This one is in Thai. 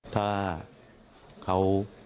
ถ้าเขา